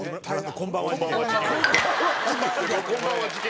こんばんは事件。